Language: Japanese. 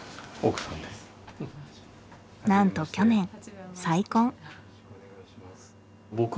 なんと去年再婚。